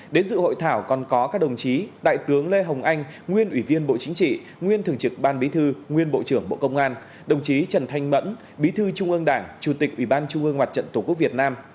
đến dự hội thảo còn có các đồng chí đại tướng lê hồng anh nguyên ủy viên bộ chính trị nguyên thường trực ban bí thư nguyên bộ trưởng bộ công an đồng chí trần thanh mẫn bí thư trung ương đảng chủ tịch ủy ban trung ương mặt trận tổ quốc việt nam